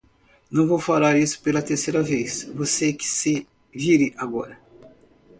Não vou falar isso pela terceira vez, você que se vire agora.